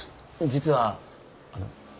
実はあの。